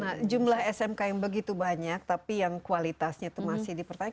nah jumlah smk yang begitu banyak tapi yang kualitasnya itu masih dipertanyakan